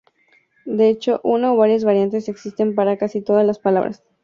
De hecho, una o varias variantes existen para casi todas las palabras.